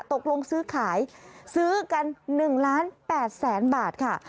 ตกลงซื้อขายซื้อกัน๑ล้าน๘แสนบาทค่ะ